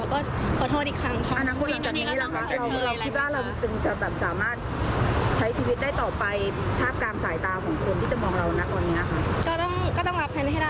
ขอโทษอีกครั้ง